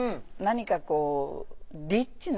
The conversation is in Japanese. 何かこう。